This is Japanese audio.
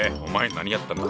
何やってんだ。